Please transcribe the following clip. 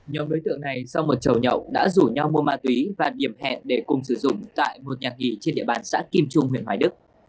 nhóm đối tượng này sau một chậu nhậu đã rủ nhau mua ma túy và điểm hẹn để cùng sử dụng tại một nhà nghỉ trên địa bàn xã kim trung huyện hoài đức